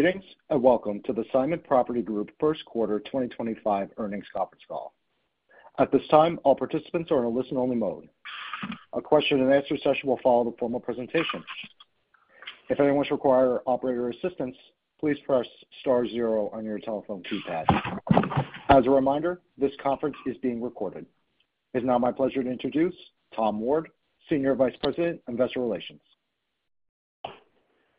Greetings and welcome to the Simon Property Group First Quarter 2025 earnings conference call. At this time, all participants are in a listen-only mode. A question-and-answer session will follow the formal presentation. If anyone should require operator assistance, please press star zero on your telephone keypad. As a reminder, this conference is being recorded. It is now my pleasure to introduce Tom Ward, Senior Vice President, Investor Relations.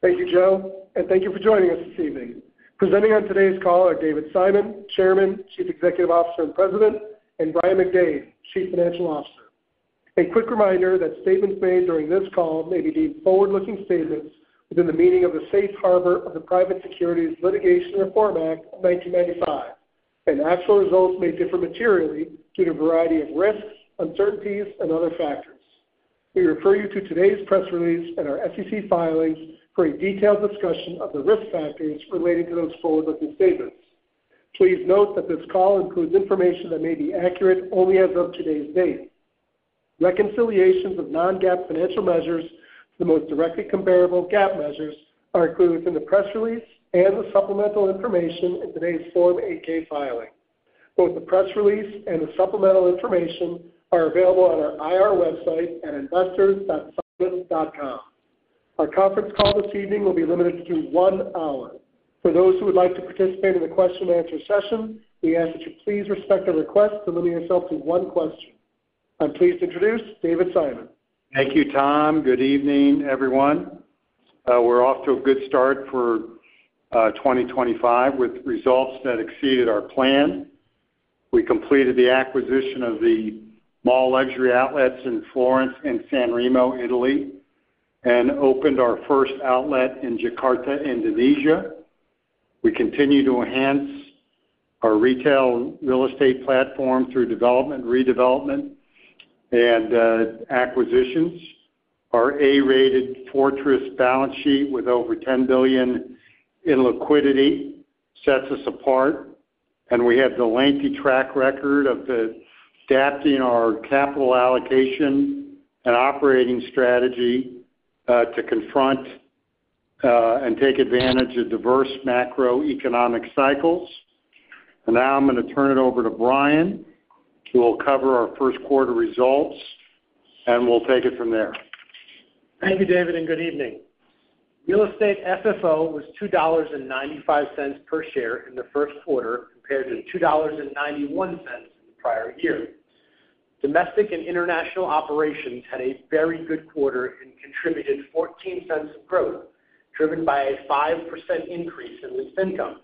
Thank you, Joe, and thank you for joining us this evening. Presenting on today's call are David Simon, Chairman, Chief Executive Officer and President, and Brian McDade, Chief Financial Officer. A quick reminder that statements made during this call may be deemed forward-looking statements within the meaning of the safe harbor of the Private Securities Litigation Reform Act of 1995, and actual results may differ materially due to a variety of risks, uncertainties, and other factors. We refer you to today's press release and our SEC filings for a detailed discussion of the risk factors relating to those forward-looking statements. Please note that this call includes information that may be accurate only as of today's date. Reconciliations of non-GAAP financial measures to the most directly comparable GAAP measures are included within the press release and the supplemental information in today's Form 8-K filing. Both the press release and the supplemental information are available on our IR website at investors.simon.com. Our conference call this evening will be limited to one hour. For those who would like to participate in the question-and-answer session, we ask that you please respect our request to limit yourself to one question. I'm pleased to introduce David Simon. Thank you, Tom. Good evening, everyone. We're off to a good start for 2025 with results that exceeded our plan. We completed the acquisition of the mall luxury outlets in Florence and Sanremo, Italy, and opened our first outlet in Jakarta, Indonesia. We continue to enhance our retail real estate platform through development, redevelopment, and acquisitions. Our A-rated fortress balance sheet with over $10 billion in liquidity sets us apart, and we have the lengthy track record of adapting our capital allocation and operating strategy to confront and take advantage of diverse macroeconomic cycles. Now I'm going to turn it over to Brian, who will cover our first quarter results, and we'll take it from there. Thank you, David, and good evening. Real estate FFO was $2.95 per share in the first quarter compared to $2.91 in the prior year. Domestic and international operations had a very good quarter and contributed $0.14 of growth, driven by a 5% increase in lease income.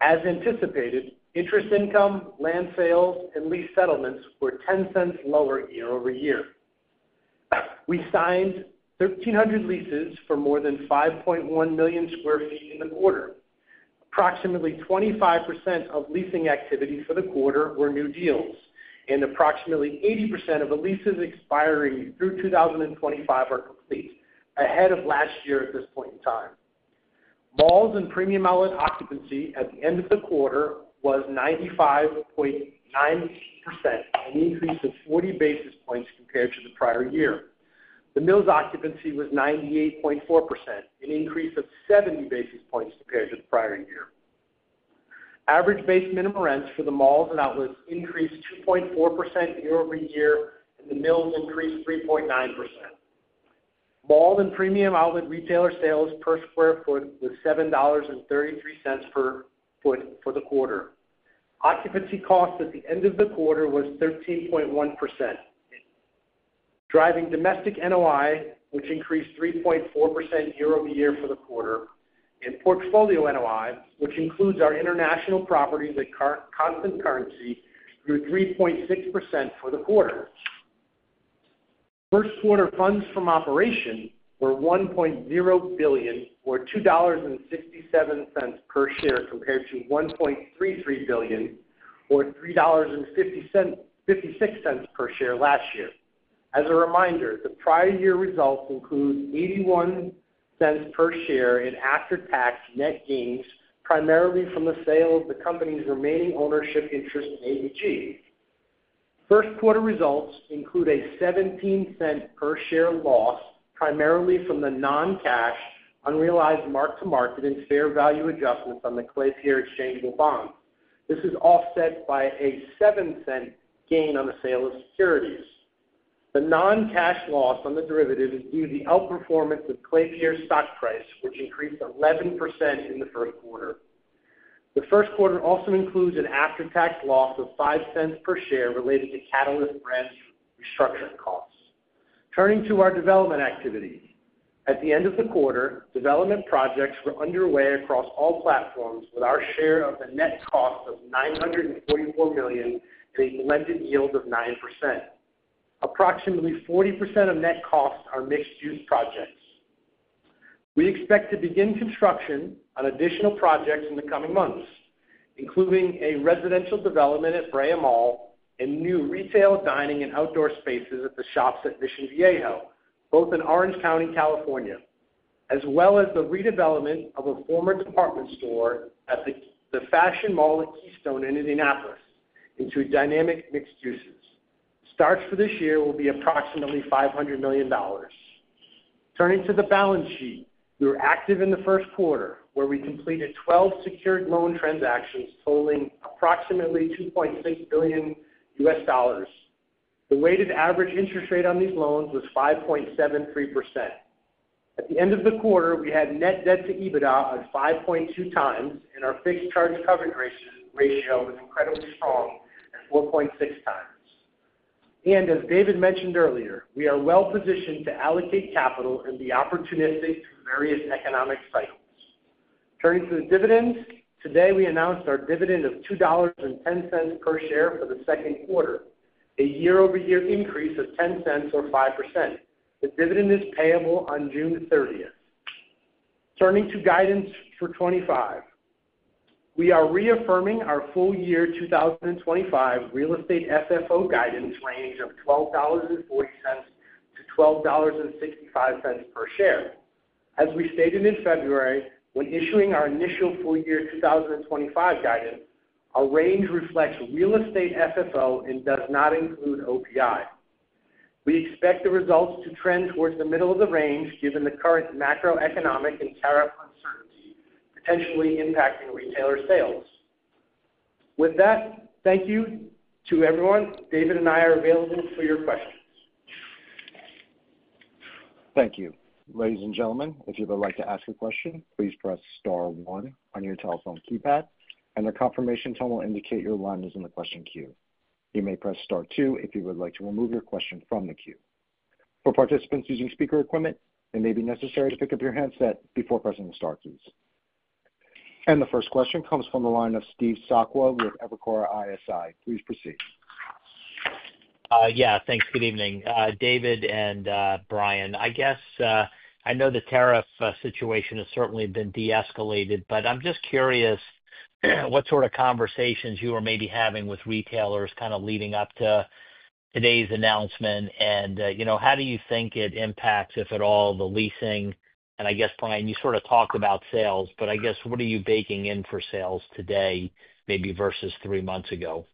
As anticipated, interest income, land sales, and lease settlements were $0.10 lower year over year. We signed 1,300 leases for more than 5.1 million sq ft in the quarter. Approximately 25% of leasing activity for the quarter were new deals, and approximately 80% of the leases expiring through 2025 are complete ahead of last year at this point in time. Malls and premium outlet occupancy at the end of the quarter was 95.9%, an increase of 40 basis points compared to the prior year. The mills occupancy was 98.4%, an increase of 70 basis points compared to the prior year. Average base minimum rents for the malls and outlets increased 2.4% year over year, and the mills increased 3.9%. Mall and premium outlet retailer sales per square foot was $7.33 per foot for the quarter. Occupancy cost at the end of the quarter was 13.1%, driving domestic NOI, which increased 3.4% year over year for the quarter, and portfolio NOI, which includes our international properties at constant currency, grew 3.6% for the quarter. First quarter funds from operation were $1.0 billion, or $2.67 per share, compared to $1.33 billion, or $3.56 per share last year. As a reminder, the prior year results include $0.81 per share in after-tax net gains, primarily from the sale of the company's remaining ownership interest in ABG. First quarter results include a $0.17 per share loss, primarily from the non-cash unrealized mark-to-market and fair value adjustments on the Klaipėda Exchangeable Bonds. This is offset by a $0.07 gain on the sale of securities. The non-cash loss on the derivative is due to the outperformance of Klaipėda's stock price, which increased 11% in the first quarter. The first quarter also includes an after-tax loss of $0.05 per share related to Catalyst Brands' restructuring costs. Turning to our development activity, at the end of the quarter, development projects were underway across all platforms with our share of the net cost of $944 million and a blended yield of 9%. Approximately 40% of net costs are mixed-use projects. We expect to begin construction on additional projects in the coming months, including a residential development at Bray Mall and new retail, dining, and outdoor spaces at the Shops at Mission Viejo, both in Orange County, California, as well as the redevelopment of a former department store at the Fashion Mall at Keystone in Indianapolis into dynamic mixed uses. Starts for this year will be approximately $500 million. Turning to the balance sheet, we were active in the first quarter, where we completed 12 secured loan transactions totaling approximately $2.6 billion. The weighted average interest rate on these loans was 5.73%. At the end of the quarter, we had net debt to EBITDA of 5.2 times, and our fixed charge coverage ratio was incredibly strong at 4.6 times. As David mentioned earlier, we are well-positioned to allocate capital and be opportunistic through various economic cycles. Turning to the dividends, today we announced our dividend of $2.10 per share for the second quarter, a year-over-year increase of 10 cents or 5%. The dividend is payable on June 30. Turning to guidance for 2025, we are reaffirming our full year 2025 real estate FFO guidance range of $12.40-$12.65 per share. As we stated in February, when issuing our initial full year 2025 guidance, our range reflects real estate FFO and does not include OPI. We expect the results to trend towards the middle of the range given the current macroeconomic and tariff uncertainty potentially impacting retailer sales. With that, thank you to everyone. David and I are available for your questions. Thank you. Ladies and gentlemen, if you would like to ask a question, please press star one on your telephone keypad, and the confirmation tone will indicate your line is in the question queue. You may press star two if you would like to remove your question from the queue. For participants using speaker equipment, it may be necessary to pick up your handset before pressing the star keys. The first question comes from the line of Steve Sakwa with Evercore ISI. Please proceed. Yeah, thanks. Good evening, David and Brian. I guess I know the tariff situation has certainly been de-escalated, but I'm just curious what sort of conversations you were maybe having with retailers kind of leading up to today's announcement, and how do you think it impacts, if at all, the leasing? I guess, Brian, you sort of talked about sales, but I guess what are you baking in for sales today, maybe versus three months ago?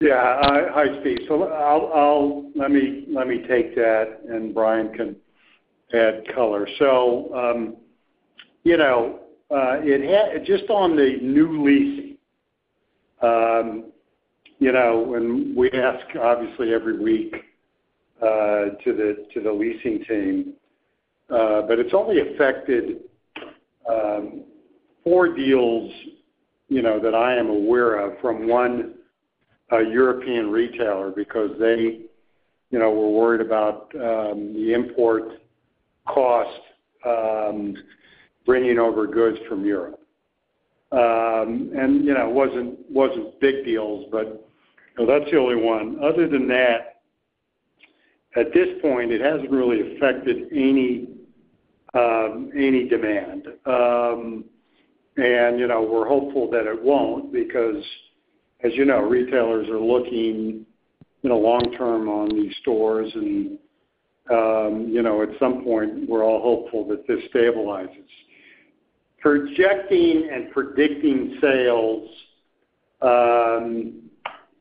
Yeah. Hi, Steve. Let me take that, and Brian can add color. Just on the new leasing, when we ask, obviously, every week to the leasing team, but it's only affected four deals that I am aware of from one European retailer because they were worried about the import cost bringing over goods from Europe. It was not big deals, but that's the only one. Other than that, at this point, it has not really affected any demand. We are hopeful that it will not because, as you know, retailers are looking long-term on these stores, and at some point, we are all hopeful that this stabilizes. Projecting and predicting sales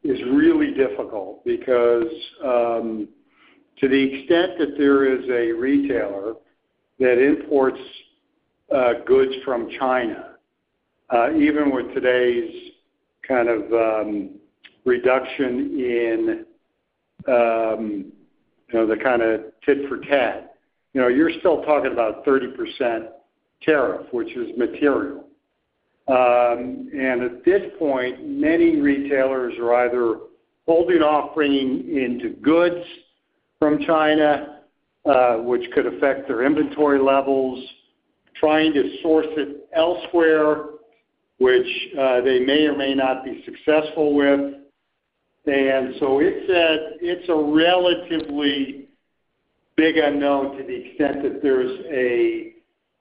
is really difficult because to the extent that there is a retailer that imports goods from China, even with today's kind of reduction in the kind of tit for tat, you are still talking about 30% tariff, which is material. At this point, many retailers are either holding off bringing in goods from China, which could affect their inventory levels, trying to source it elsewhere, which they may or may not be successful with. It is a relatively big unknown to the extent that there is a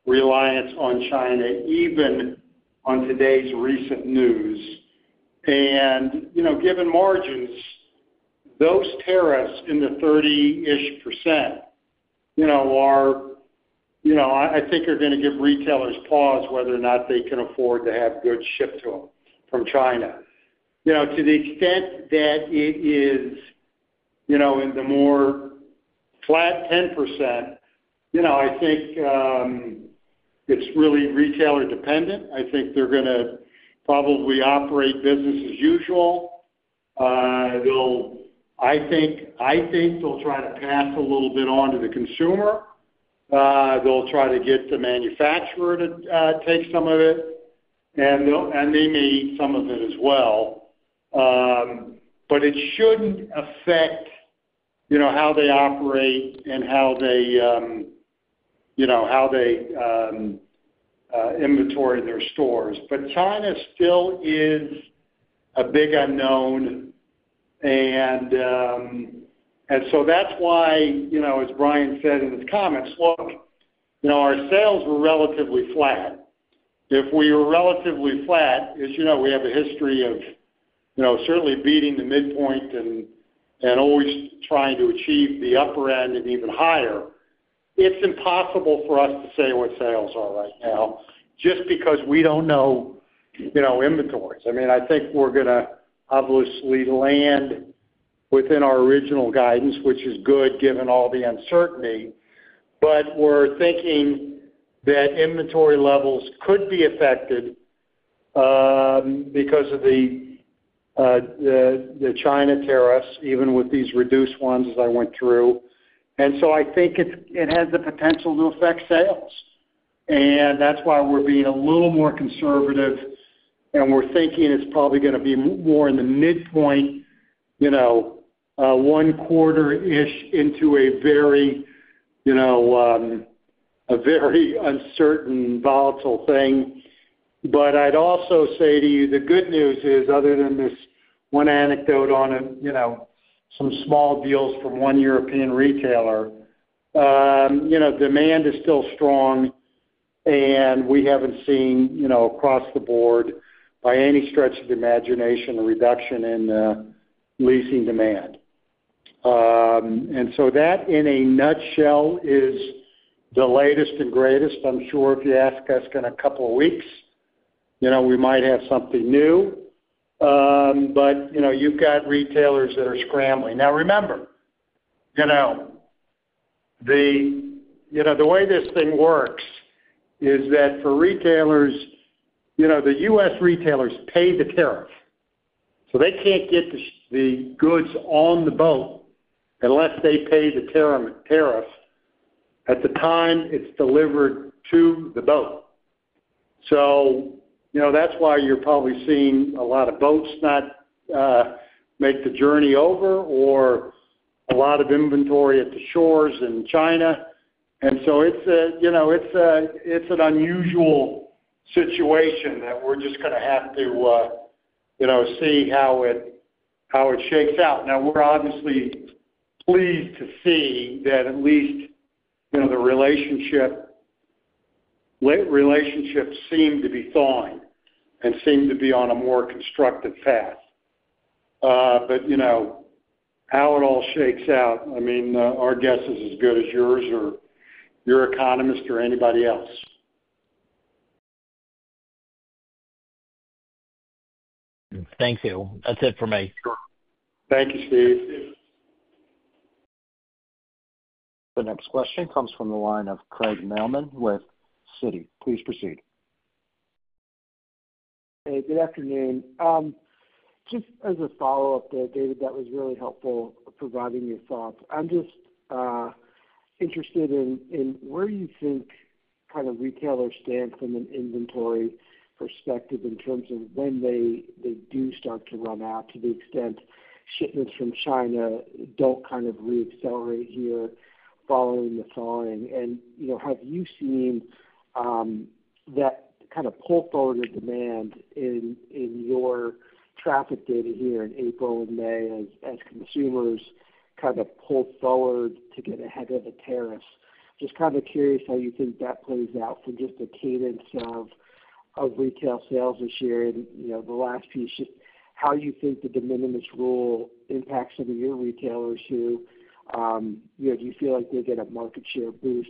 reliance on China, even on today's recent news. Given margins, those tariffs in the 30% range, I think, are going to give retailers pause whether or not they can afford to have goods shipped to them from China. To the extent that it is in the more flat 10%, I think it is really retailer-dependent. I think they are going to probably operate business as usual. I think they will try to pass a little bit on to the consumer. They will try to get the manufacturer to take some of it, and they may eat some of it as well. It should not affect how they operate and how they inventory their stores. China still is a big unknown. That is why, as Brian said in his comments, look, our sales were relatively flat. If we were relatively flat, as you know, we have a history of certainly beating the midpoint and always trying to achieve the upper end and even higher. It is impossible for us to say what sales are right now just because we do not know inventories. I mean, I think we are going to obviously land within our original guidance, which is good given all the uncertainty. We are thinking that inventory levels could be affected because of the China tariffs, even with these reduced ones as I went through. I think it has the potential to affect sales. That is why we are being a little more conservative, and we are thinking it is probably going to be more in the midpoint, one quarter-ish into a very uncertain, volatile thing. I would also say to you, the good news is, other than this one anecdote on some small deals from one European retailer, demand is still strong, and we have not seen across the board by any stretch of the imagination a reduction in leasing demand. That, in a nutshell, is the latest and greatest. I am sure if you ask us in a couple of weeks, we might have something new. You have retailers that are scrambling. Now, remember, the way this thing works is that for retailers, the U.S. retailers pay the tariff. They cannot get the goods on the boat unless they pay the tariff at the time it is delivered to the boat. That's why you're probably seeing a lot of boats not make the journey over or a lot of inventory at the shores in China. It's an unusual situation that we're just going to have to see how it shakes out. Now, we're obviously pleased to see that at least the relationships seem to be thawing and seem to be on a more constructive path. How it all shakes out, I mean, our guess is as good as yours or your economist or anybody else. Thank you. That's it for me. Sure. Thank you, Steve. The next question comes from the line of Craig Mailman with Citi. Please proceed. Hey, good afternoon. Just as a follow-up there, David, that was really helpful providing your thoughts. I'm just interested in where you think kind of retailers stand from an inventory perspective in terms of when they do start to run out to the extent shipments from China don't kind of re-accelerate here following the thawing. Have you seen that kind of pull forward of demand in your traffic data here in April and May as consumers kind of pull forward to get ahead of the tariffs? Just kind of curious how you think that plays out from just the cadence of retail sales this year and the last piece, just how you think the de minimis rule impacts some of your retailers who do you feel like they get a market share boost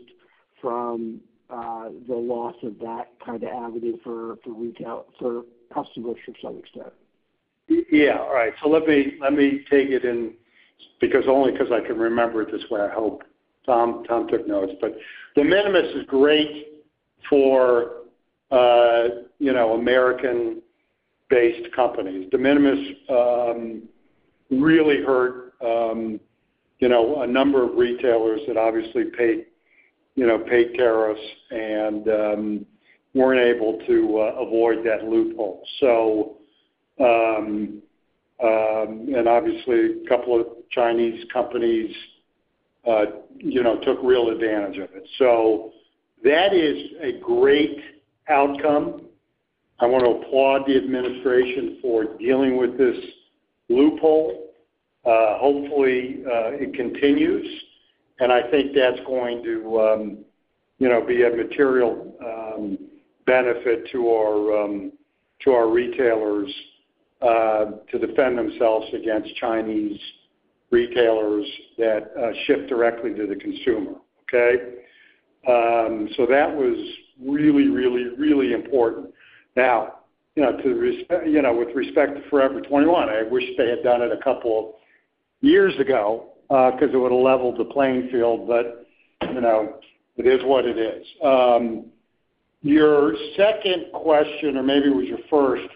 from the loss of that kind of avenue for customers to some extent? Yeah. All right. So let me take it in only because I can remember it this way. I hope Tom took notes. De minimis is great for American-based companies. De minimis really hurt a number of retailers that obviously paid tariffs and were not able to avoid that loophole. Obviously, a couple of Chinese companies took real advantage of it. That is a great outcome. I want to applaud the administration for dealing with this loophole. Hopefully, it continues. I think that is going to be a material benefit to our retailers to defend themselves against Chinese retailers that ship directly to the consumer. Okay? That was really, really, really important. Now, with respect to Forever 21, I wish they had done it a couple of years ago because it would have leveled the playing field, but it is what it is. Your second question, or maybe it was your first,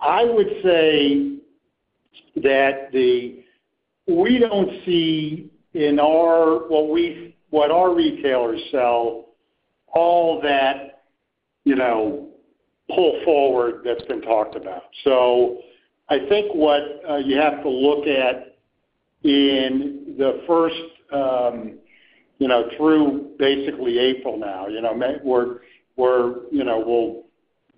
I would say that we do not see in what our retailers sell all that pull forward that has been talked about. I think what you have to look at in the first through basically April now, we will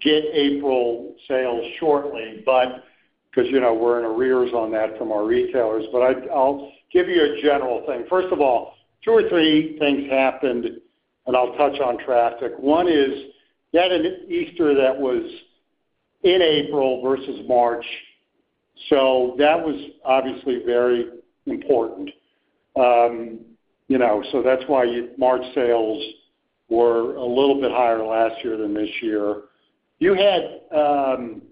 get April sales shortly, but because we are in arrears on that from our retailers. I will give you a general thing. First of all, two or three things happened, and I will touch on traffic. One is you had an Easter that was in April versus March. That was obviously very important. That is why March sales were a little bit higher last year than this year. You had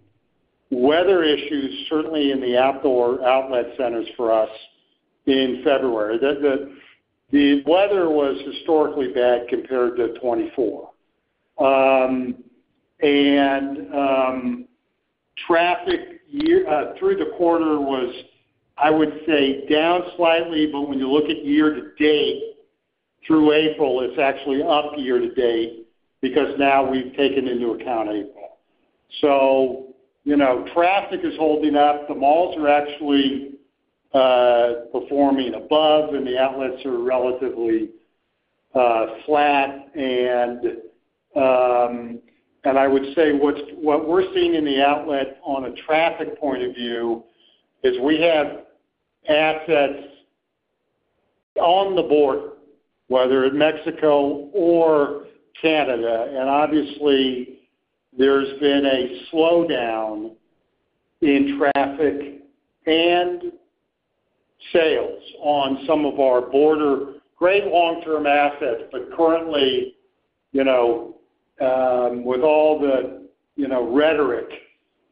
weather issues, certainly in the outdoor outlet centers for us in February. The weather was historically bad compared to 2024. Traffic through the quarter was, I would say, down slightly, but when you look at year-to-date through April, it is actually up year-to-date because now we have taken into account April. Traffic is holding up. The malls are actually performing above, and the outlets are relatively flat. I would say what we are seeing in the outlet on a traffic point of view is we have assets on the border, whether in Mexico or Canada. Obviously, there has been a slowdown in traffic and sales on some of our border great long-term assets. Currently, with all the rhetoric,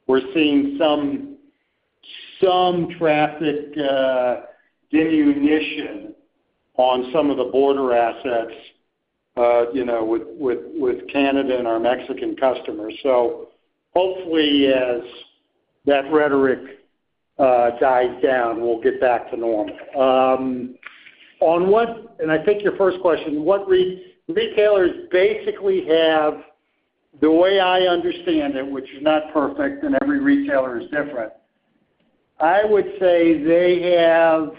we are seeing some traffic diminution on some of the border assets with Canada and our Mexican customers. Hopefully, as that rhetoric dies down, we will get back to normal. I think your first question, what retailers basically have, the way I understand it, which is not perfect and every retailer is different, I would say they have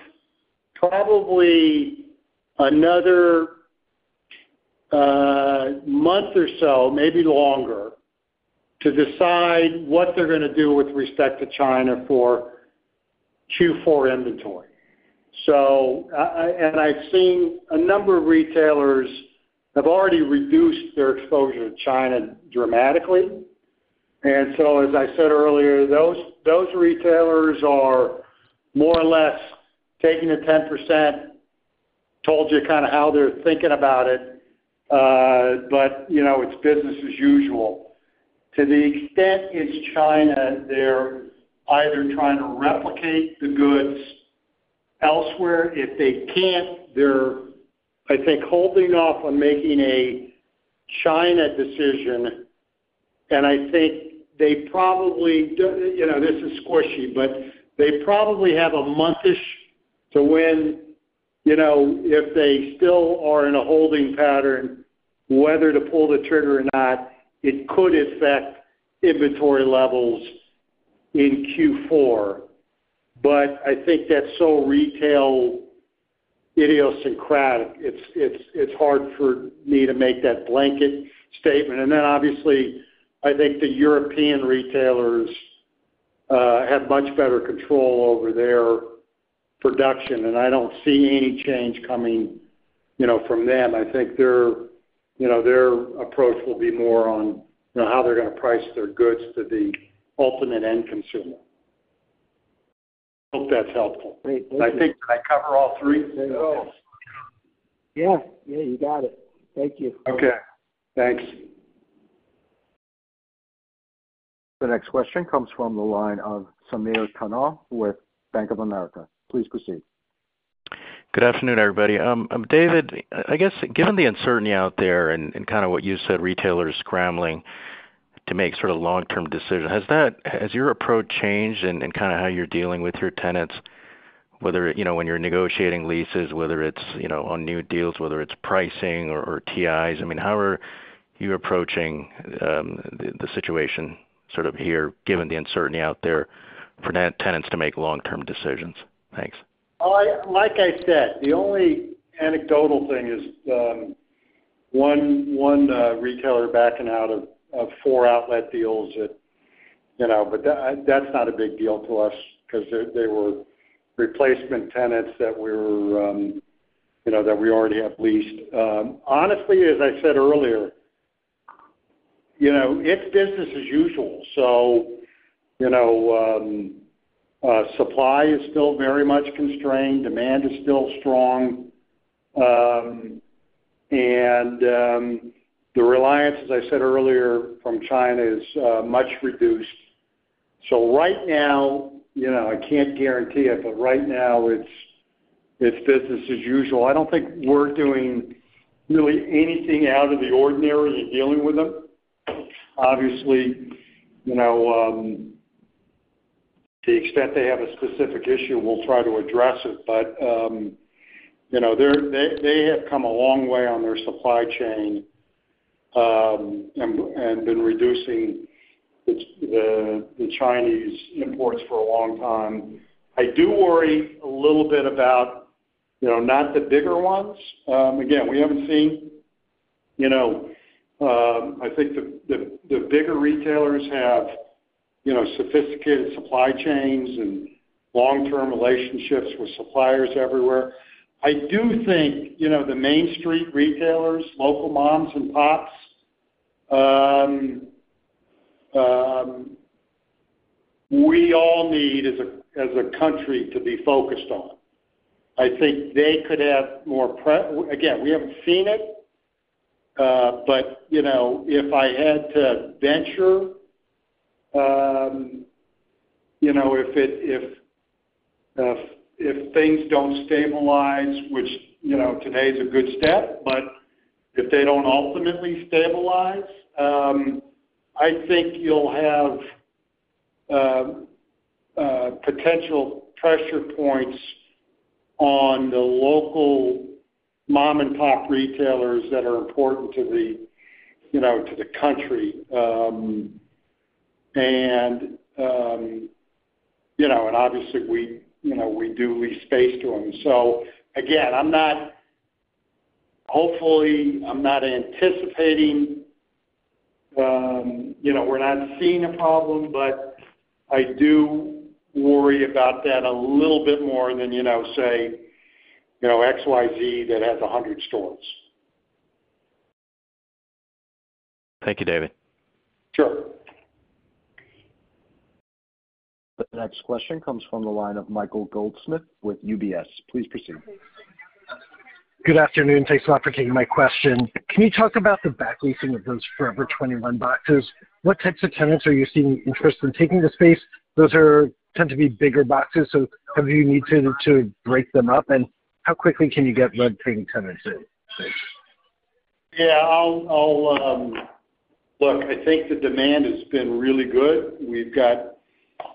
probably another month or so, maybe longer, to decide what they're going to do with respect to China for Q4 inventory. I have seen a number of retailers have already reduced their exposure to China dramatically. As I said earlier, those retailers are more or less taking a 10%, told you kind of how they're thinking about it, but it's business as usual. To the extent it's China, they're either trying to replicate the goods elsewhere. If they can't, they're, I think, holding off on making a China decision. I think they probably—this is squishy—but they probably have a month-ish to when if they still are in a holding pattern, whether to pull the trigger or not, it could affect inventory levels in Q4. I think that's so retail idiosyncratic, it's hard for me to make that blanket statement. Obviously, I think the European retailers have much better control over their production, and I don't see any change coming from them. I think their approach will be more on how they're going to price their goods to the ultimate end consumer. I hope that's helpful. I think did I cover all three? Yeah. Yeah. You got it. Thank you. Okay. Thanks. The next question comes from the line of Samir Khanal with Bank of America. Please proceed. Good afternoon, everybody. David, I guess, given the uncertainty out there and kind of what you said, retailers scrambling to make sort of long-term decisions, has your approach changed in kind of how you're dealing with your tenants, whether when you're negotiating leases, whether it's on new deals, whether it's pricing or TIs? I mean, how are you approaching the situation sort of here, given the uncertainty out there for tenants to make long-term decisions? Thanks. Like I said, the only anecdotal thing is one retailer backing out of four outlet deals. That's not a big deal to us because they were replacement tenants that we already have leased. Honestly, as I said earlier, it's business as usual. Supply is still very much constrained. Demand is still strong. The reliance, as I said earlier, from China is much reduced. Right now, I can't guarantee it, but right now, it's business as usual. I don't think we're doing really anything out of the ordinary in dealing with them. Obviously, to the extent they have a specific issue, we'll try to address it. They have come a long way on their supply chain and been reducing the Chinese imports for a long time. I do worry a little bit about not the bigger ones. Again, we have not seen—I think the bigger retailers have sophisticated supply chains and long-term relationships with suppliers everywhere. I do think the Main Street retailers, local moms and pops, we all need as a country to be focused on. I think they could have more—again, we have not seen it. If I had to venture, if things do not stabilize, which today is a good step, if they do not ultimately stabilize, I think you will have potential pressure points on the local mom-and-pop retailers that are important to the country. Obviously, we do lease space to them. Again, hopefully, I am not anticipating, we are not seeing a problem, but I do worry about that a little bit more than, say, XYZ that has 100 stores. Thank you, David. Sure. The next question comes from the line of Michael Goldsmith with UBS. Please proceed. Good afternoon. Thanks a lot for taking my question. Can you talk about the back leasing of those Forever 21 boxes? What types of tenants are you seeing interest in taking the space? Those tend to be bigger boxes, so have you needed to break them up? How quickly can you get rent-paying tenants in? Yeah. Look, I think the demand has been really good. We've got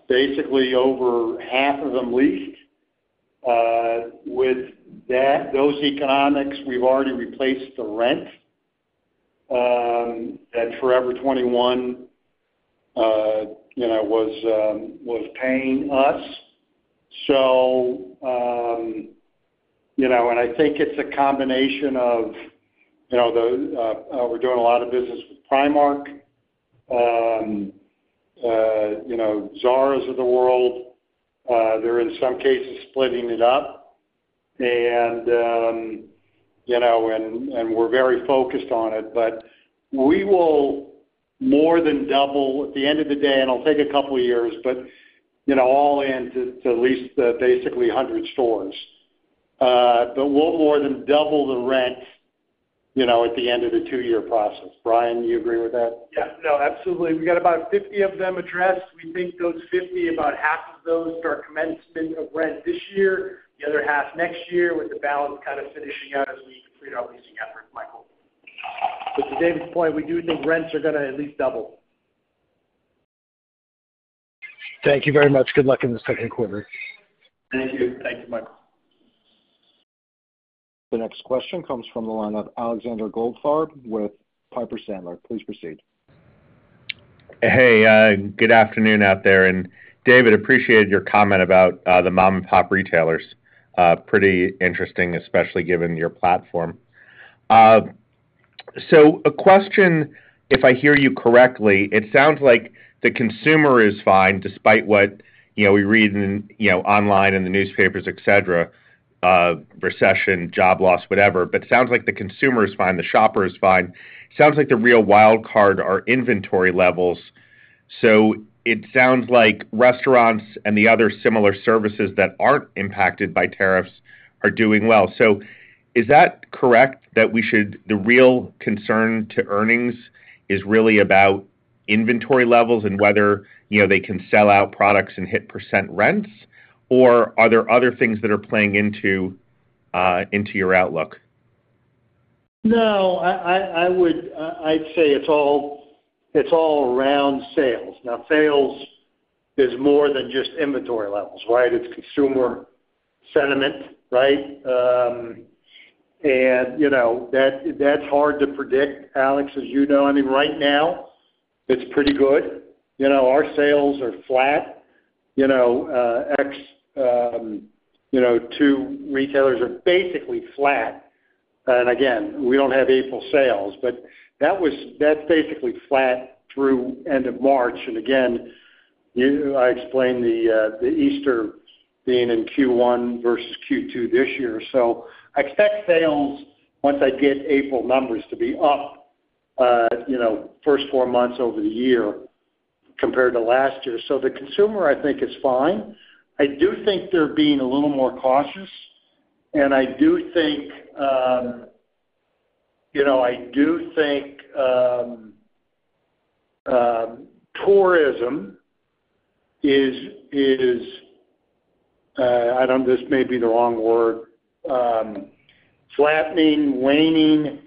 basically over half of them leased. With those economics, we've already replaced the rent that Forever 21 was paying us. I think it's a combination of we're doing a lot of business with Primark, Zara's of the world. They're, in some cases, splitting it up. We're very focused on it. We will more than double at the end of the day—it will take a couple of years—all in to lease basically 100 stores. We will more than double the rent at the end of the two-year process. Brian, you agree with that? Yeah. No, absolutely. We got about 50 of them addressed. We think those 50, about half of those, are commencement of rent this year, the other half next year, with the balance kind of finishing out as we complete our leasing efforts, Michael. To David's point, we do think rents are going to at least double. Thank you very much. Good luck in the second quarter. Thank you. Thank you, Michael. The next question comes from the line of Alexander Goldfarb with Piper Sandler. Please proceed. Hey. Good afternoon out there. And David, appreciated your comment about the mom-and-pop retailers. Pretty interesting, especially given your platform. A question, if I hear you correctly, it sounds like the consumer is fine despite what we read online in the newspapers, etc., recession, job loss, whatever. It sounds like the consumer is fine. The shopper is fine. It sounds like the real wild card are inventory levels. It sounds like restaurants and the other similar services that aren't impacted by tariffs are doing well. Is that correct that the real concern to earnings is really about inventory levels and whether they can sell out products and hit % rents? Or are there other things that are playing into your outlook? No. I'd say it's all around sales. Now, sales is more than just inventory levels, right? It's consumer sentiment, right? And that's hard to predict, Alex, as you know. I mean, right now, it's pretty good. Our sales are flat. Two retailers are basically flat. Again, we don't have April sales. That's basically flat through the end of March. Again, I explained the Easter being in Q1 versus Q2 this year. I expect sales, once I get April numbers, to be up the first four months over the year compared to last year. The consumer, I think, is fine. I do think they're being a little more cautious. I do think tourism is—I don't know if this may be the wrong word—flattening, waning.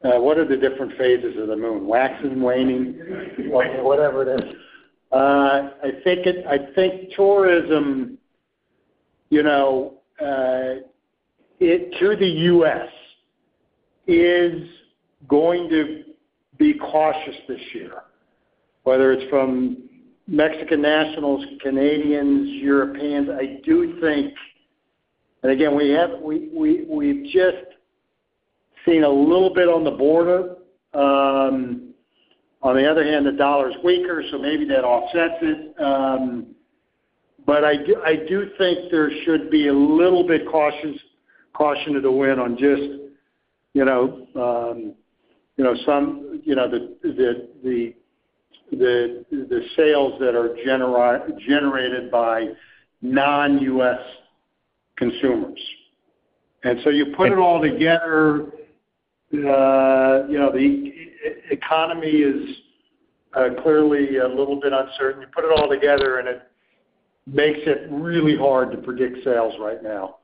What are the different phases of the moon? Waxing, waning, whatever it is. I think tourism to the U.S. is going to be cautious this year, whether it's from Mexican nationals, Canadians, Europeans. I do think—and again, we've just seen a little bit on the border. On the other hand, the dollar is weaker, so maybe that offsets it. I do think there should be a little bit of caution to the wind on just some of the sales that are generated by non-U.S. consumers. You put it all together, the economy is clearly a little bit uncertain. You put it all together, and it makes it really hard to predict sales right now.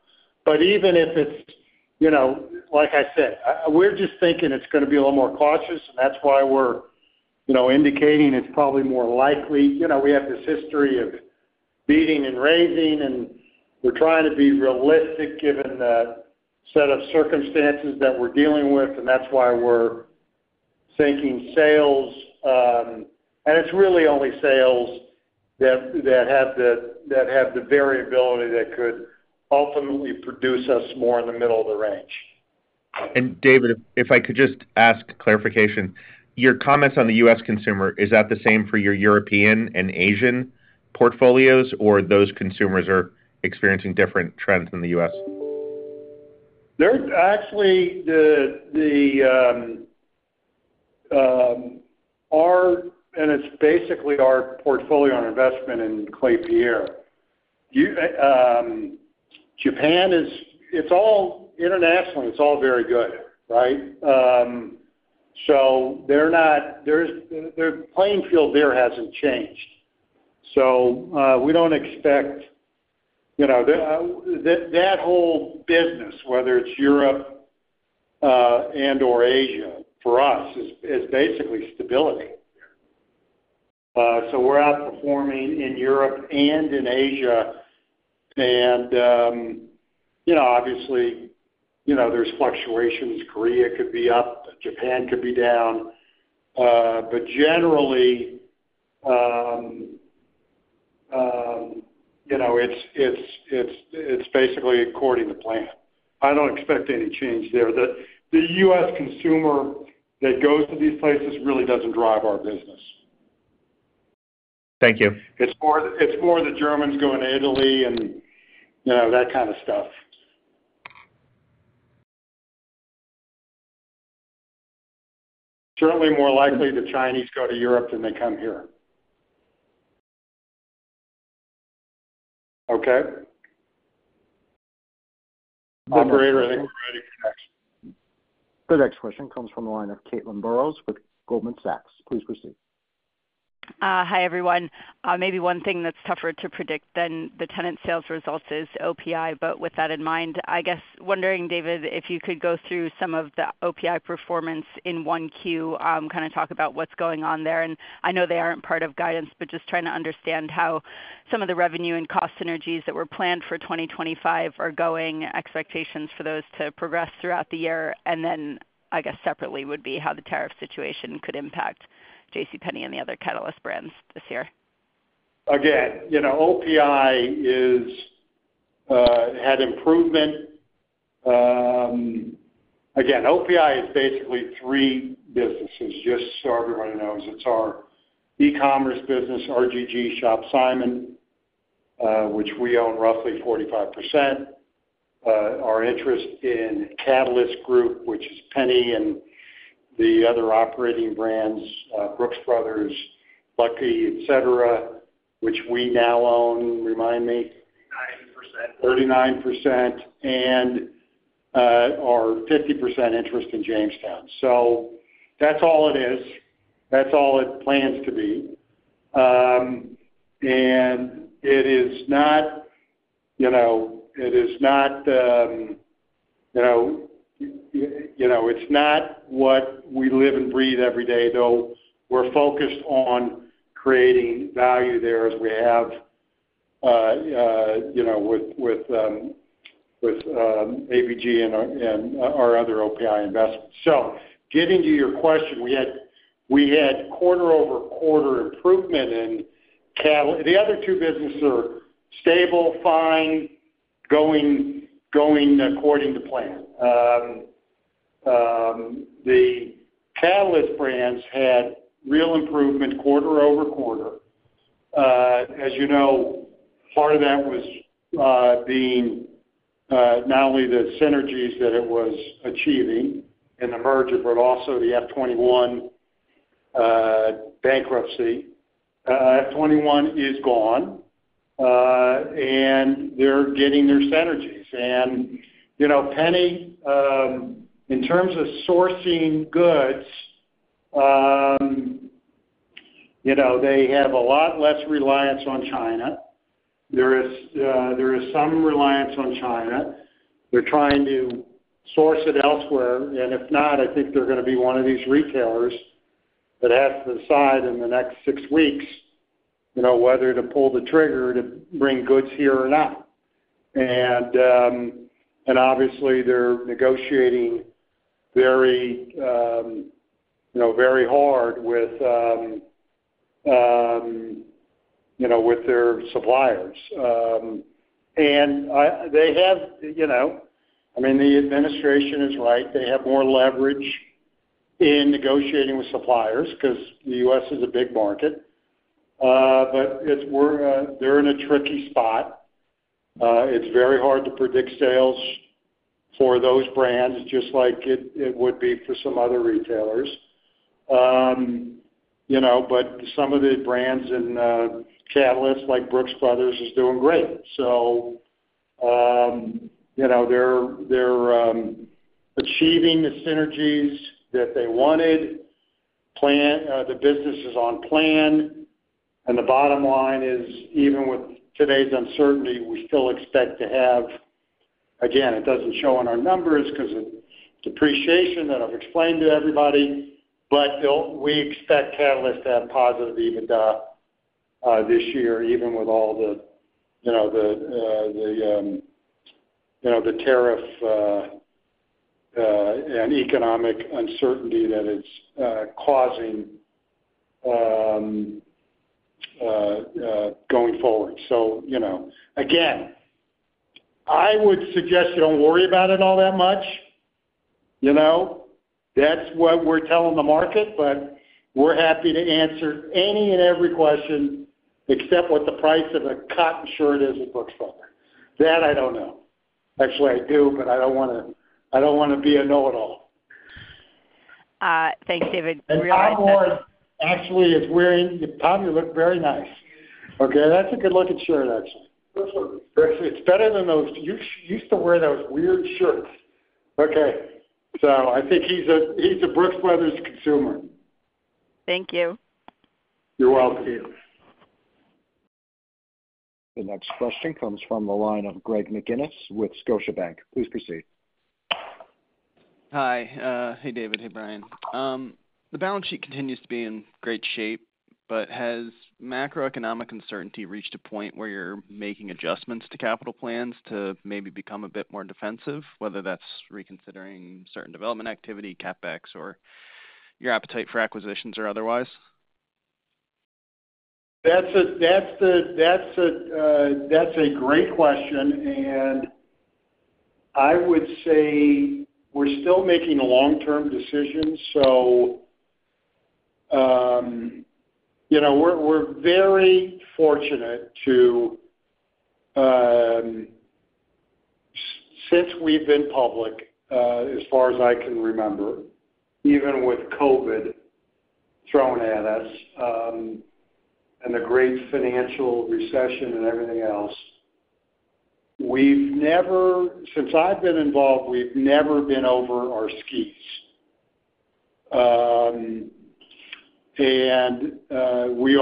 Even if it's—like I said, we're just thinking it's going to be a little more cautious, and that's why we're indicating it's probably more likely. We have this history of beating and raising, and we're trying to be realistic given the set of circumstances that we're dealing with, and that's why we're thinking sales. It's really only sales that have the variability that could ultimately produce us more in the middle of the range. David, if I could just ask clarification, your comments on the U.S. consumer, is that the same for your European and Asian portfolios, or those consumers are experiencing different trends in the U.S.? Actually, and it's basically our portfolio on investment in Klépierre. Japan is—it's all internationally, it's all very good, right? Their playing field there hasn't changed. We don't expect that whole business, whether it's Europe and/or Asia, for us, is basically stability. We're outperforming in Europe and in Asia. Obviously, there's fluctuations. Korea could be up. Japan could be down. Generally, it's basically according to plan. I don't expect any change there. The U.S. consumer that goes to these places really doesn't drive our business. Thank you. It's more the Germans going to Italy and that kind of stuff. Certainly more likely the Chinese go to Europe than they come here. Okay. Operator, I think we're ready for next. The next question comes from the line of Caitlin Burrows with Goldman Sachs. Please proceed. Hi, everyone. Maybe one thing that's tougher to predict than the tenant sales results is OPI. With that in mind, I guess wondering, David, if you could go through some of the OPI performance in one Q, kind of talk about what's going on there. I know they aren't part of guidance, but just trying to understand how some of the revenue and cost synergies that were planned for 2025 are going, expectations for those to progress throughout the year. I guess separately, would be how the tariff situation could impact J.C. Penney and the other Catalyst Brands this year. Again, OPI had improvement. Again, OPI is basically three businesses. Just so everybody knows, it is our e-commerce business, RGG ShopSimon, which we own roughly 45%. Our interest in Catalyst Brands, which is Penny and the other operating brands, Brooks Brothers, Lucky, etc., which we now own, remind me, 39%. And our 50% interest in Jamestown. That is all it is. That is all it plans to be. It is not—it is not—it is not what we live and breathe every day, though we are focused on creating value there as we have with ABG and our other OPI investments. Getting to your question, we had quarter-over-quarter improvement and the other two businesses are stable, fine, going according to plan. The Catalyst Brands had real improvement quarter-over-quarter. As you know, part of that was being not only the synergies that it was achieving in the merger, but also the F21 bankruptcy. F21 is gone, and they're getting their synergies. And Penny, in terms of sourcing goods, they have a lot less reliance on China. There is some reliance on China. They're trying to source it elsewhere. If not, I think they're going to be one of these retailers that has to decide in the next six weeks whether to pull the trigger to bring goods here or not. Obviously, they're negotiating very hard with their suppliers. They have—I mean, the administration is right. They have more leverage in negotiating with suppliers because the U.S. is a big market. They're in a tricky spot. It's very hard to predict sales for those brands, just like it would be for some other retailers. Some of the brands in Catalyst, like Brooks Brothers, is doing great. They're achieving the synergies that they wanted. The business is on plan. The bottom line is, even with today's uncertainty, we still expect to have—again, it does not show in our numbers because of depreciation that I have explained to everybody. We expect Catalyst to have positive EBITDA this year, even with all the tariff and economic uncertainty that it is causing going forward. I would suggest you do not worry about it all that much. That is what we are telling the market. We are happy to answer any and every question except what the price of a cotton shirt is at Brooks Brothers. That I do not know. Actually, I do, but I do not want to—I do not want to be a know-it-all. Thanks, David. Real. Tom Ward, actually, is wearing—Tom, you look very nice. Okay? That is a good-looking shirt, actually. It is better than those—you used to wear those weird shirts. Okay. I think he is a Brooks Brothers consumer. Thank you. You're welcome. The next question comes from the line of Greg McGinniss with Scotiabank. Please proceed. Hi. Hey, David. Hey, Brian. The balance sheet continues to be in great shape, but has macroeconomic uncertainty reached a point where you're making adjustments to capital plans to maybe become a bit more defensive, whether that's reconsidering certain development activity, CapEx, or your appetite for acquisitions or otherwise? That's a great question. I would say we're still making long-term decisions. We're very fortunate to—since we've been public, as far as I can remember, even with COVID thrown at us and the great financial recession and everything else, since I've been involved, we've never been over our skis. We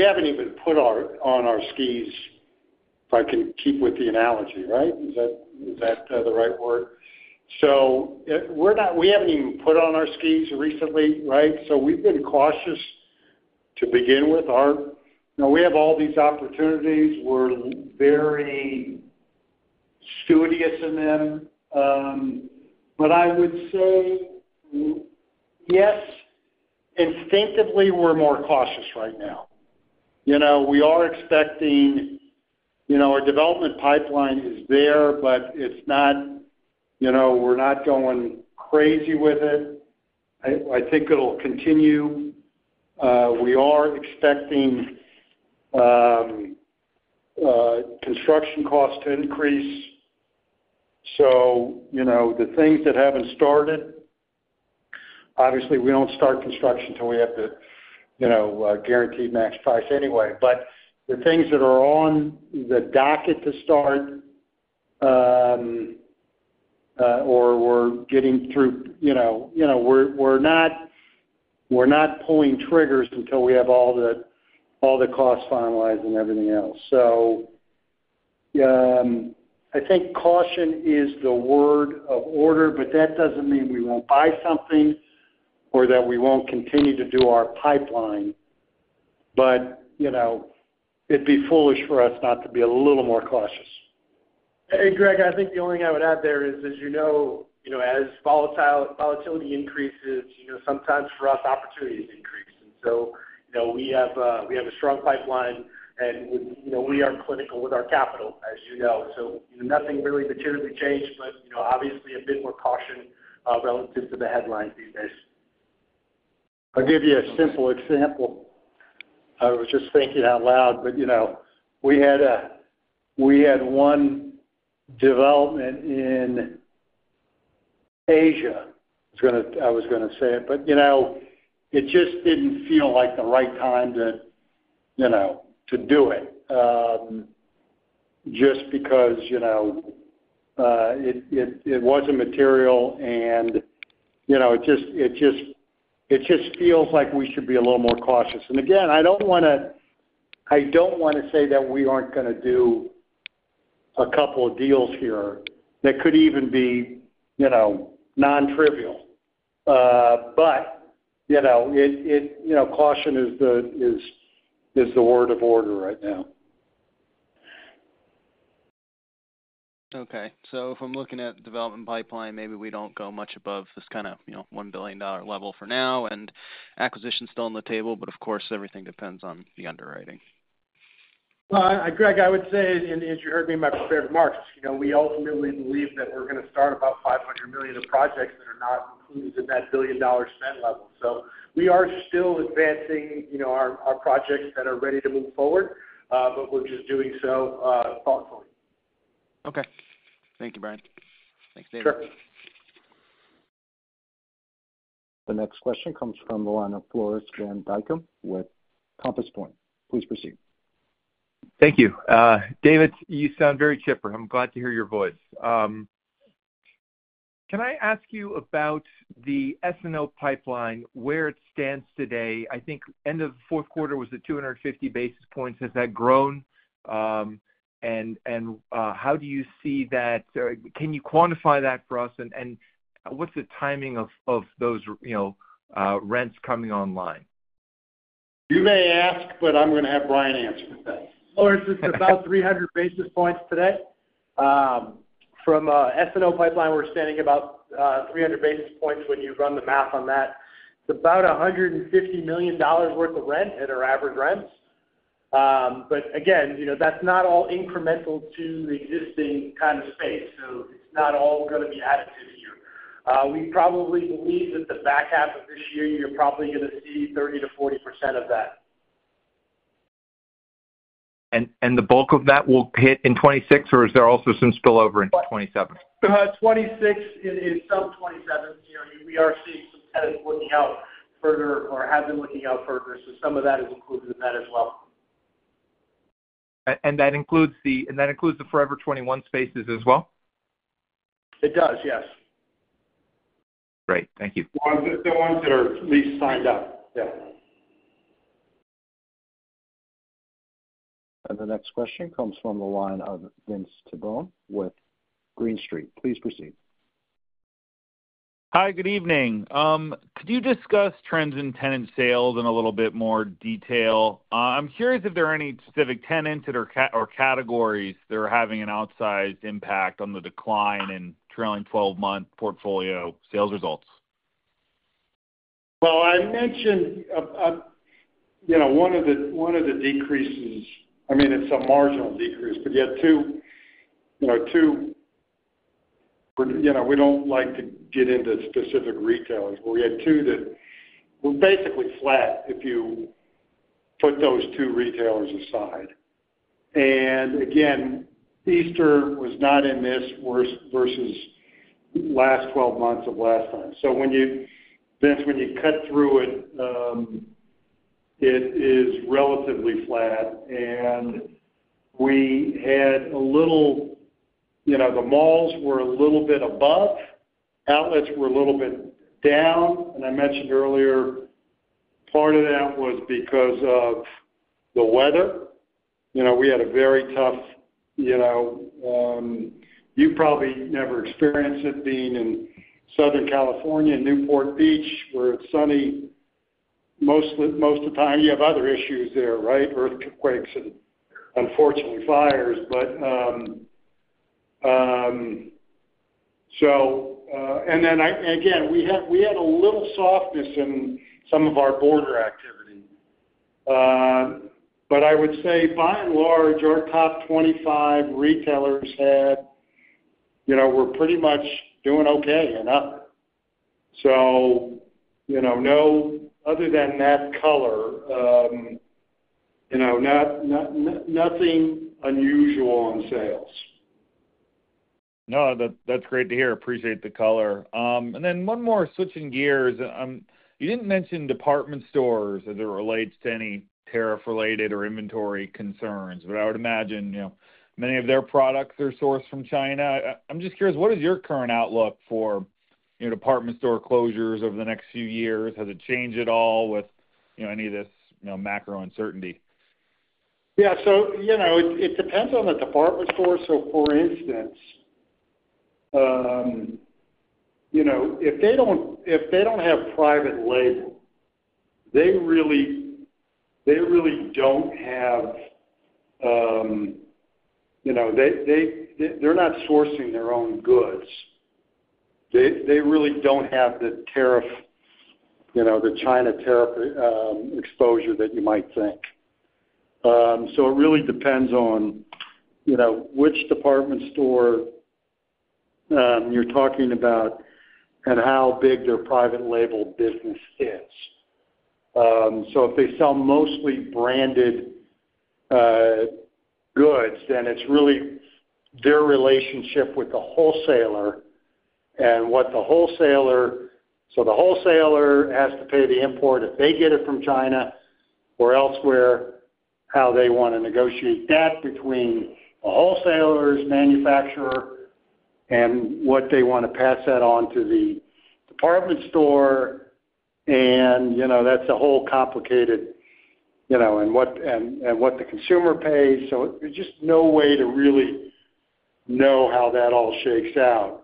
haven't even put on our skis, if I can keep with the analogy, right? Is that the right word? We haven't even put on our skis recently, right? We've been cautious to begin with. We have all these opportunities. We're very studious in them. I would say, yes, instinctively, we're more cautious right now. We are expecting our development pipeline is there, but it's not—we're not going crazy with it. I think it'll continue. We are expecting construction costs to increase. The things that have not started, obviously, we do not start construction until we have the guaranteed max price anyway. The things that are on the docket to start or we are getting through, we are not pulling triggers until we have all the costs finalized and everything else. I think caution is the word of order, but that does not mean we will not buy something or that we will not continue to do our pipeline. It would be foolish for us not to be a little more cautious. Hey, Greg, I think the only thing I would add there is, as volatility increases, sometimes for us, opportunities increase. We have a strong pipeline, and we are clinical with our capital, as you know. Nothing really materially changed, but obviously, a bit more caution relative to the headlines these days. I will give you a simple example. I was just thinking out loud, but we had one development in Asia. I was going to say it, but it just did not feel like the right time to do it just because it was not material. It just feels like we should be a little more cautious. Again, I do not want to—I do not want to say that we are not going to do a couple of deals here that could even be non-trivial. Caution is the word of order right now. Okay. So if I'm looking at development pipeline, maybe we don't go much above this kind of $1 billion level for now, and acquisition's still on the table. Of course, everything depends on the underwriting. Greg, I would say, and as you heard me in my prepared remarks, we ultimately believe that we're going to start about $500 million of projects that are not included in that billion-dollar spend level. We are still advancing our projects that are ready to move forward, but we're just doing so thoughtfully. Okay. Thank you, Brian. Thanks, David. Sure. The next question comes from the line of Floris van Dijkum with Compass Point. Please proceed. Thank you. David, you sound very chipper. I'm glad to hear your voice. Can I ask you about the S&O pipeline, where it stands today? I think end of the fourth quarter was at 250 basis points. Has that grown? How do you see that? Can you quantify that for us? What's the timing of those rents coming online? You may ask, but I'm going to have Brian answer that. Is this about 300 basis points today? From S&O pipeline, we're standing about 300 basis points. When you run the math on that, it's about $150 million worth of rent at our average rents. Again, that's not all incremental to the existing kind of space. It's not all going to be additive here. We probably believe that the back half of this year, you're probably going to see 30-40% of that. The bulk of that will hit in 2026, or is there also some spillover in 2027? 2026 is some '27. We are seeing some tenants looking out further or have been looking out further. Some of that is included in that as well. That includes the Forever 21 spaces as well? It does, yes. Great. Thank you. It's just the ones that are at least signed up. Yeah. The next question comes from the line of Vince Tibone with Green Street. Please proceed. Hi, good evening. Could you discuss trends in tenant sales in a little bit more detail? I'm curious if there are any specific tenants or categories that are having an outsized impact on the decline in trailing 12-month portfolio sales results. I mentioned one of the decreases—I mean, it's a marginal decrease, but you had two—we don't like to get into specific retailers. You had two that were basically flat if you put those two retailers aside. Again, Easter was not in this versus last 12 months of last time. Vince, when you cut through it, it is relatively flat. We had a little—the malls were a little bit above. Outlets were a little bit down. I mentioned earlier, part of that was because of the weather. We had a very tough—you probably never experienced it being in Southern California, Newport Beach, where it's sunny most of the time. You have other issues there, right? Earthquakes and, unfortunately, fires. Again, we had a little softness in some of our border activity. I would say, by and large, our top 25 retailers were pretty much doing okay and up. So other than that color, nothing unusual on sales. No, that's great to hear. Appreciate the color. One more, switching gears. You didn't mention department stores as it relates to any tariff-related or inventory concerns, but I would imagine many of their products are sourced from China. I'm just curious, what is your current outlook for department store closures over the next few years? Has it changed at all with any of this macro uncertainty? Yeah. It depends on the department store. For instance, if they do not have private label, they really do not have—they are not sourcing their own goods. They really do not have the China tariff exposure that you might think. It depends on which department store you are talking about and how big their private label business is. If they sell mostly branded goods, then it is really their relationship with the wholesaler and what the wholesaler—so the wholesaler has to pay the import if they get it from China or elsewhere, how they want to negotiate that between the wholesaler's manufacturer and what they want to pass that on to the department store. That is a whole complicated—and what the consumer pays. There is just no way to really know how that all shakes out.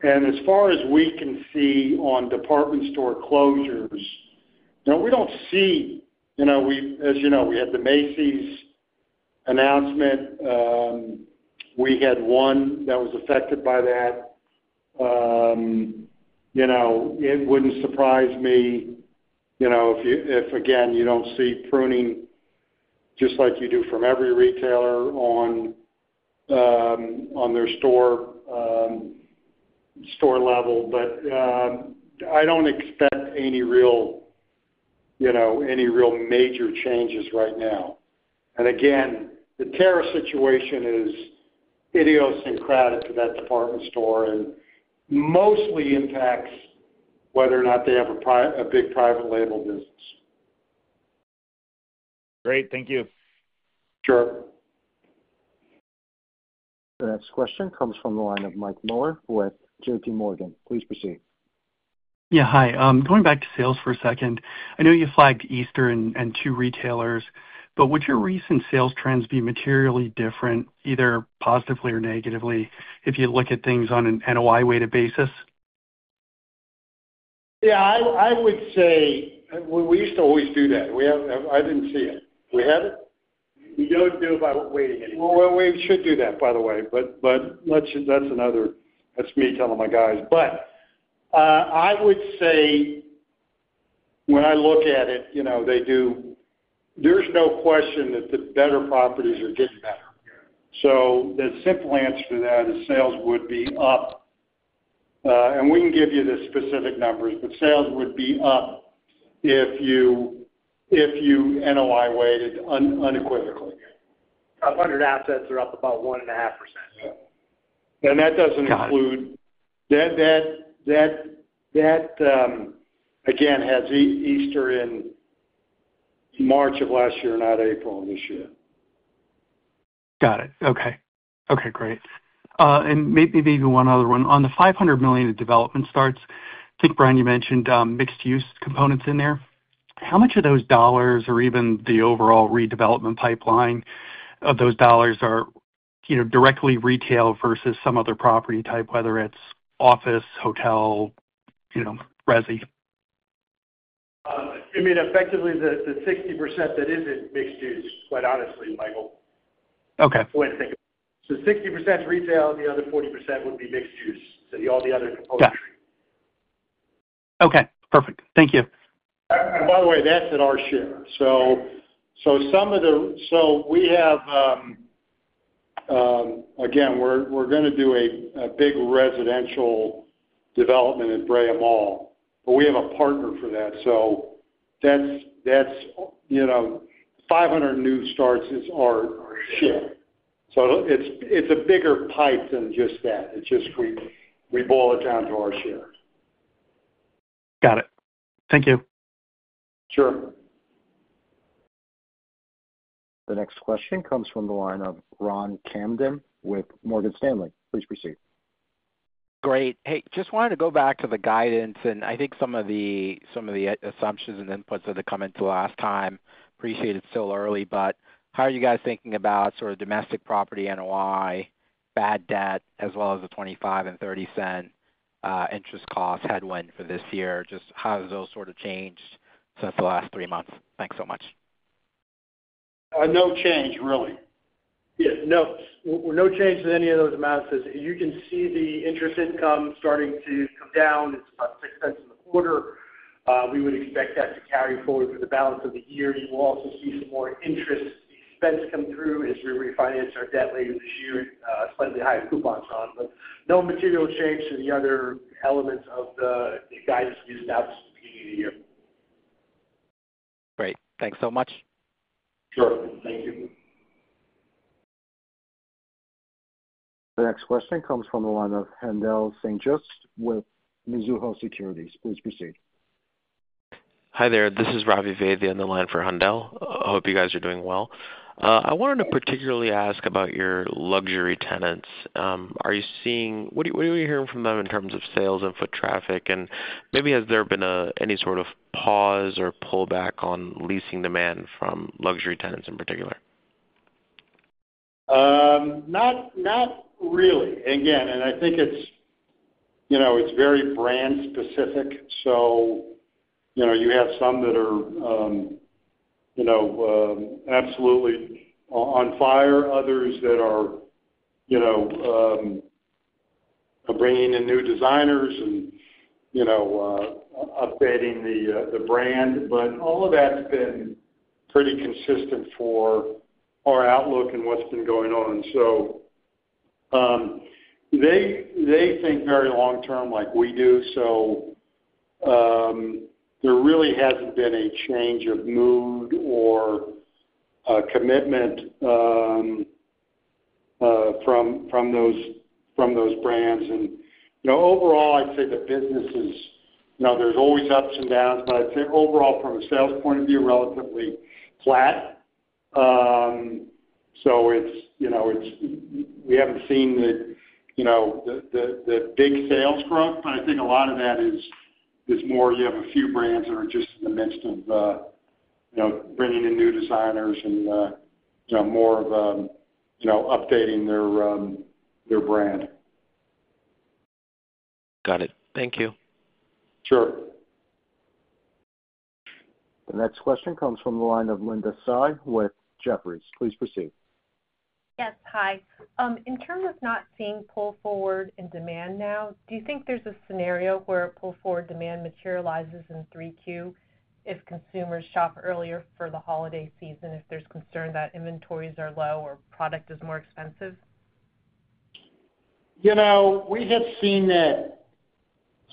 As far as we can see on department store closures, we do not see—as you know, we had the Macy's announcement. We had one that was affected by that. It would not surprise me if, again, you see pruning just like you do from every retailer on their store level. I do not expect any real major changes right now. Again, the tariff situation is idiosyncratic to that department store and mostly impacts whether or not they have a big private label business. Great. Thank you. Sure. The next question comes from the line of Mike Mueller with JPMorgan. Please proceed. Yeah. Hi. Going back to sales for a second, I know you flagged Easter and two retailers, but would your recent sales trends be materially different, either positively or negatively, if you look at things on an NOI-weighted basis? Yeah. I would say we used to always do that. I did not see it. We had it? We do not do it by weighting anymore. We should do that, by the way. That is me telling my guys. I would say when I look at it, there is no question that the better properties are getting better. The simple answer to that is sales would be up. We can give you the specific numbers, but sales would be up if you NOI-weighted unequivocally. One hundred assets are up about 1.5%. That does not include—that, again, has Easter in March of last year, not April of this year. Got it. Okay. Okay. Great. Maybe one other one. On the $500 million of development starts, I think, Brian, you mentioned mixed-use components in there. How much of those dollars or even the overall redevelopment pipeline of those dollars are directly retail versus some other property type, whether it is office, hotel, resi? I mean, effectively, the 60% that isn't mixed-use, quite honestly, Michael. The 60% is retail. The other 40% would be mixed-use. All the other componentry. Okay. Perfect. Thank you. By the way, that's at our share. We have, again, we're going to do a big residential development at Bray Mall, but we have a partner for that. That is 500 new starts as our share. It is a bigger pipe than just that. We just boil it down to our share. Got it. Thank you. Sure. The next question comes from the line of Ronald Kamdem with Morgan Stanley. Please proceed. Great. Hey, just wanted to go back to the guidance. I think some of the assumptions and inputs that have come into last time—appreciate it's still early—how are you guys thinking about sort of domestic property NOI, bad debt, as well as the $0.25 and $0.30 interest cost headwind for this year? Just how have those sort of changed since the last three months? Thanks so much. No change, really. Yeah. No, no change in any of those amounts. As you can see, the interest income starting to come down. It's about $0.06 in the quarter. We would expect that to carry forward for the balance of the year. You will also see some more interest expense come through as we refinance our debt later this year and slightly higher coupons on. No material change to the other elements of the guidance we just announced at the beginning of the year. Great. Thanks so much. Sure. Thank you. The next question comes from the line of Handel St. Juste with Mizuho Securities. Please proceed. Hi there. This is Ravi Vaidya, the end of the line for Handel. I hope you guys are doing well. I wanted to particularly ask about your luxury tenants. What are you hearing from them in terms of sales and foot traffic? Maybe has there been any sort of pause or pullback on leasing demand from luxury tenants in particular? Not really. Again, and I think it's very brand-specific. You have some that are absolutely on fire, others that are bringing in new designers and updating the brand. All of that's been pretty consistent for our outlook and what's been going on. They think very long-term like we do. There really hasn't been a change of mood or commitment from those brands. Overall, I'd say the business is, now, there's always ups and downs, but I'd say overall, from a sales point of view, relatively flat. We haven't seen the big sales growth. I think a lot of that is more you have a few brands that are just in the midst of bringing in new designers and more of updating their brand. Got it. Thank you. Sure. The next question comes from the line of Linda Tsai with Jefferies. Please proceed. Yes. Hi. In terms of not seeing pull forward in demand now, do you think there's a scenario where pull forward demand materializes in 3Q if consumers shop earlier for the holiday season, if there's concern that inventories are low or product is more expensive? We have seen that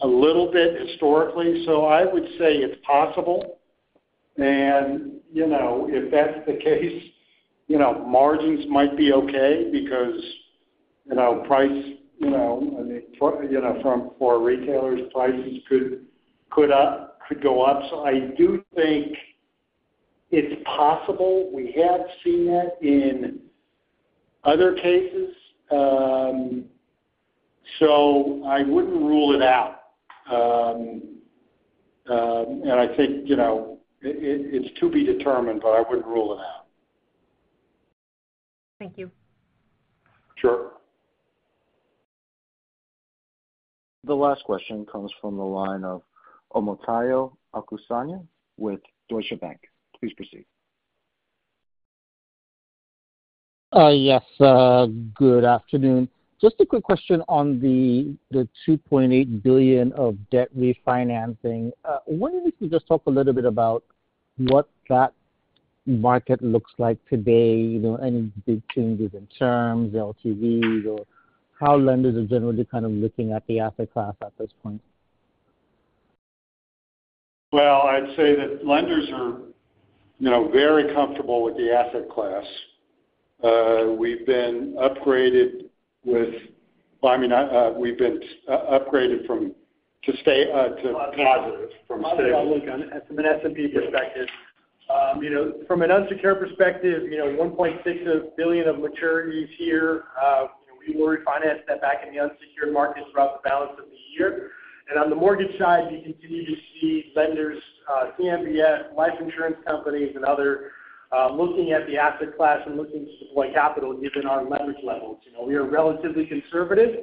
a little bit historically. I would say it's possible. If that's the case, margins might be okay because price—I mean, for retailers, prices could go up. I do think it's possible. We have seen that in other cases. I wouldn't rule it out. I think it's to be determined, but I wouldn't rule it out. Thank you. Sure. The last question comes from the line of Omotayo Okusanya with Deutsche Bank. Please proceed. Yes. Good afternoon. Just a quick question on the $2.8 billion of debt refinancing. I wonder if you could just talk a little bit about what that market looks like today, any big changes in terms, LTV, or how lenders are generally kind of looking at the asset class at this point. I’d say that lenders are very comfortable with the asset class. We’ve been upgraded to stay positive from a staggered perspective. From an S&P perspective, from an unsecured perspective, $1.6 billion of maturities here. We will refinance that back in the unsecured market throughout the balance of the year. On the mortgage side, you continue to see lenders, CMBS, life insurance companies, and others looking at the asset class and looking to deploy capital given our leverage levels. We are relatively conservative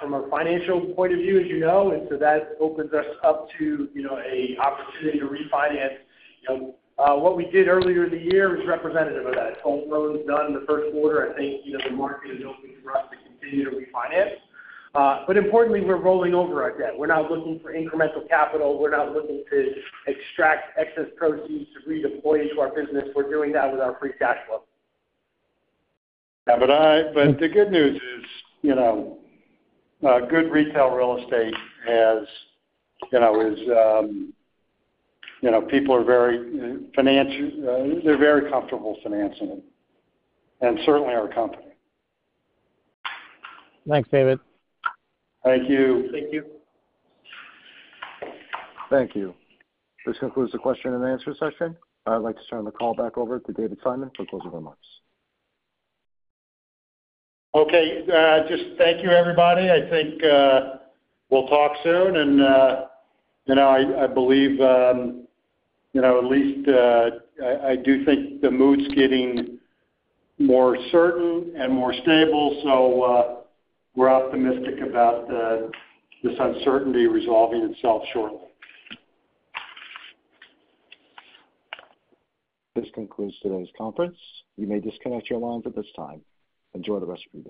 from a financial point of view, as you know. That opens us up to an opportunity to refinance. What we did earlier in the year is representative of that. Home loans done in the first quarter. I think the market is open for us to continue to refinance. Importantly, we’re rolling over our debt. We're not looking for incremental capital. We're not looking to extract excess proceeds to redeploy into our business. We're doing that with our free cash flow. Yeah. The good news is good retail real estate has—people are very comfortable financing it, and certainly our company. Thanks, David. Thank you. Thank you. Thank you. This concludes the question and answer session. I'd like to turn the call back over to David Simon for closing remarks. Okay. Just thank you, everybody. I think we'll talk soon. I believe at least I do think the mood's getting more certain and more stable. We're optimistic about this uncertainty resolving itself shortly. This concludes today's conference. You may disconnect your lines at this time. Enjoy the rest of your day.